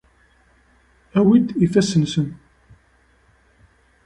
Awi-d ifassen-nsen.